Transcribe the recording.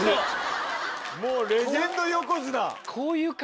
もうレジェンド横綱。